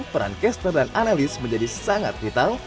peran caster dan analis menjadi sangat vital